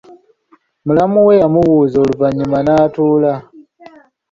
Mulamu we yamubuuza oluvanyuma n'atuula.